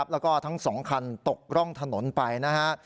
แล้วก็ทั้ง๒คันตกร่องถนนไปนะฮะ